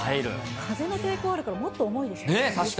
風の抵抗あるからもっと重いでしょうね。